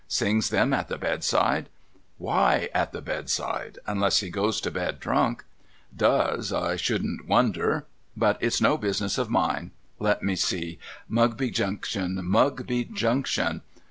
' Sings them at tlie bedside ? Why at the bedside, unless he goes to bed drunk ? Does, I shouldn't wonder. But it's no business of mine. Let me see. Mugby Junction, Mugby Junction.